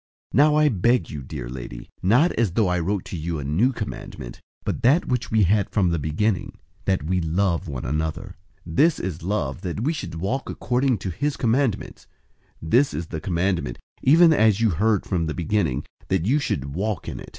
001:005 Now I beg you, dear lady, not as though I wrote to you a new commandment, but that which we had from the beginning, that we love one another. 001:006 This is love, that we should walk according to his commandments. This is the commandment, even as you heard from the beginning, that you should walk in it.